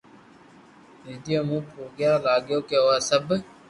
ديديو ھين يوا لگيو ڪو آ سب